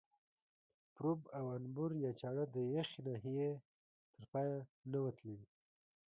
پروب او انبور یا چاړه د یخې ناحیې تر پایه نه وه تللې.